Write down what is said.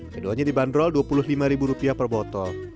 keduanya dibanderol dua puluh lima per botol